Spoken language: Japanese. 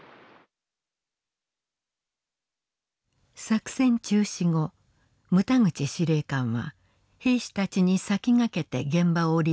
作戦中止後牟田口司令官は兵士たちに先駆けて現場を離脱します。